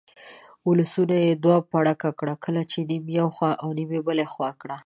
ولسونه یې دوه پړکه کړه، کلي یې نیم یو خوا نیم بلې خوا کړه.